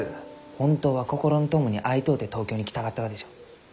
本当は心の友に会いとうて東京に来たかったがでしょう？